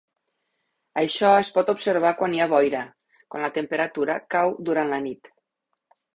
Això es pot observar quan hi ha boira, quan la temperatura cau durant la nit.